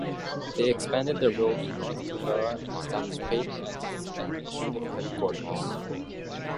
They expanded their rule in north Gujarat and established Patan as its administrative headquarters.